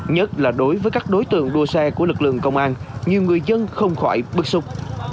nhất là đối với các đối tượng đua xe của lực lượng công an nhiều người dân không khỏi bức xúc